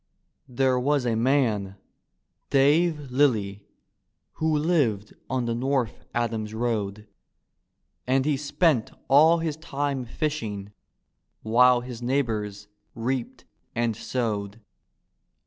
There was a man, Dave Lilly, who lived on the North Adams road. And he spent all his time fishing, while his nei^bors reaped and sowed.